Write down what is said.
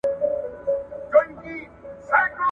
• د نورو که تلوار دئ، ما تې په لمن کي راکه.